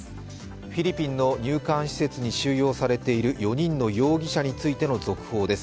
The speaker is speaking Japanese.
フィリピンの入管施設収容されている４人の容疑者についての続報です。